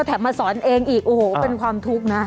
แถบมาสอนเองก็เป็นความทุกข์นะ